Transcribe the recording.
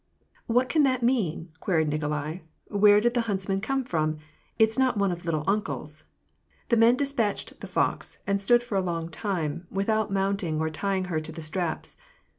"What can that mean?'' queried Nikolai. "Where did that huntsman come from ? It's not one of 'little uncle's.' " The men despatched the fox, and stood for a long time, with out mounting or tying her to the straps.